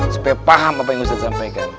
supaya paham apa yang ustadz sampaikan